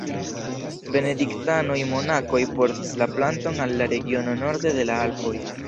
Benediktanoj-monakoj portis la planton al la regionoj norde de la Alpoj.